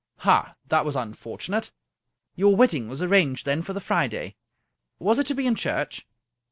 " Ha I that was unfortunate. Your wedding was ar ranged, then, for the Friday. Was it to be in church